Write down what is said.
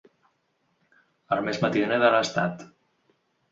El més matiner de l'estat.